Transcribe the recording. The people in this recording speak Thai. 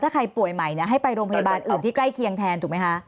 ถ้าใครป่วยใหม่ให้ไปโรงพยาบาลอื่นที่ใกล้เคียงแทนถูกไหมคะ